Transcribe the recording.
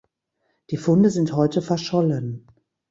Die Funde sind heute verschollen.